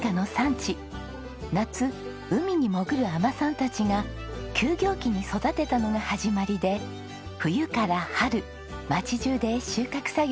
夏海に潜る海女さんたちが休業期に育てたのが始まりで冬から春町中で収穫作業が行われています。